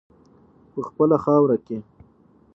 په خپله خاوره کې.